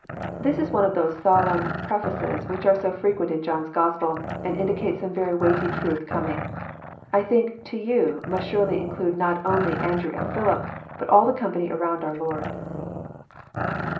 ] This is one of those solemn 15 338 ExrosrrosT thoughts. prefaces which are so fteqoent in John's Gospel, and indicate some Tery weighty trath coming. I think " to yon " mast sarely include not only Andrew and Philip, bat all the company aronnd oar Lord.